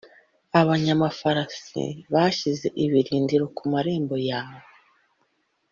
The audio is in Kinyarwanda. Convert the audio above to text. abanyamafarasi bashinze ibirindiro ku marembo yawe,